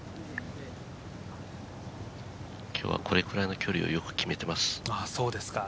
今日はこれくらいの距離をよく決めています。